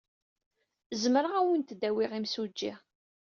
Zemreɣ ad awent-d-awiɣ imsujji.